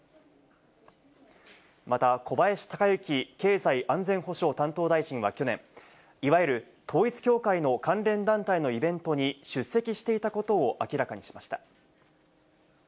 また、小林鷹之経済安全保障担当大臣は去年、いわゆる統一教会の関連団体のイベントに出席していたことを明らかにしました。